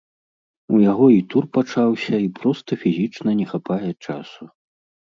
У яго і тур пачаўся, і проста фізічна не хапае часу.